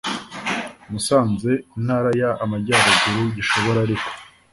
musanze intara y amajyaruguru gishobora ariko